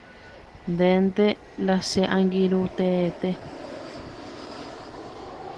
Ndénte la che angirũ teete.